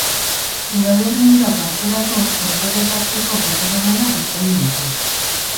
Udaberri-uda parterako dotore jazteko proposamenak eskaini ditu.